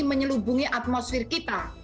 menyelubungi atmosfer kita